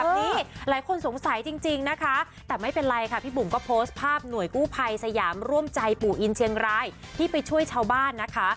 นี้หลายคนสงสัยจริงนะคะแต่ไม่เป็นไรค่ะพี่บุ๋มก็โพสต์ภาพหน่วยกู้ภัยสยามร่วมใจปู่อินเชียงรายที่ไปช่วยชาวบ้านนะคะ